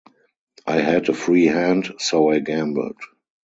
I had a free hand, so I gambled.